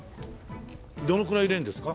どのくらい入れるんですか？